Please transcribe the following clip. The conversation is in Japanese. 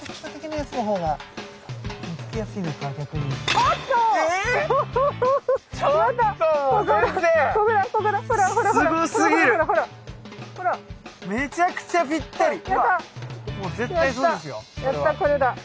やったこれだ。